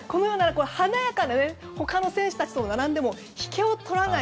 華やかな他の選手と並んでも引けを取らない